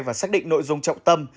và xác định nội dung trọng tâm